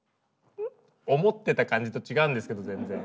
思ってた感じと違うんですけどぜんぜん。